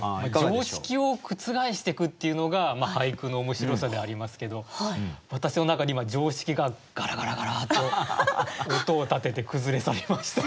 常識を覆してくっていうのが俳句の面白さでありますけど私の中で今常識がガラガラガラと音を立てて崩れ去りました。